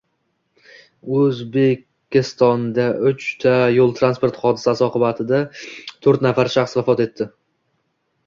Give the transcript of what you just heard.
O‘zbekistondauchta yo´l transport hodisasi oqibatidato´rtnafar shaxs vafot etdi